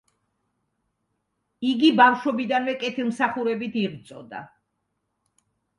იგი ბავშვობიდანვე კეთილმსახურებით იღვწოდა.